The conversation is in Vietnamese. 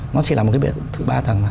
nó chỉ là một cái biệt thự ba tầng thôi